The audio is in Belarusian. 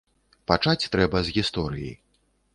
Пачаць трэба з гісторыі.